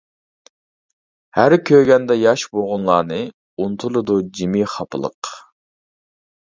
ھەر كۆرگەندە ياش بوغۇنلارنى، ئۇنتۇلىدۇ جىمىي خاپىلىق.